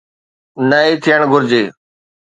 نه ئي ٿيڻ گهرجي.